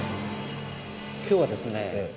今日はですね